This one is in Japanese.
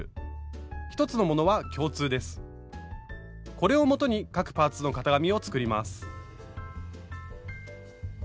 これを基に各パーツの型紙を作ります。